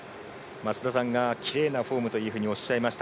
増田さんがきれいなフォームというふうにおっしゃいました。